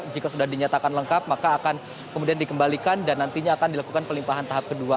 jika sudah dinyatakan lengkap maka akan kemudian dikembalikan dan nantinya akan dilakukan pelimpahan tahap kedua